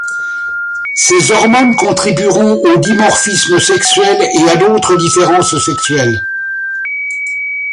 Ces hormones contribueront au dimorphisme sexuel et à d'autres différences sexuelles.